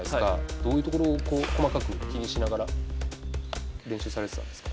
どういうところを細かく気にしながら練習されてたんですか？